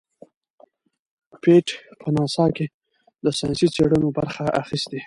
پېټټ په ناسا کې د ساینسي څیړنو برخه اخیستې.